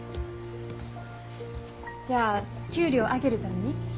じゃあ給料上げるために？